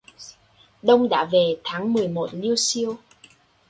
Đông đã về tháng mười một liêu xiêu...!